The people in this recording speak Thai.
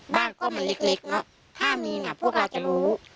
บ้านก็มันเล็กเนอะถ้ามีเนี่ยพวกเราจะรู้